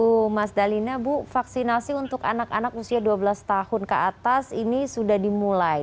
ibu mas dalina bu vaksinasi untuk anak anak usia dua belas tahun ke atas ini sudah dimulai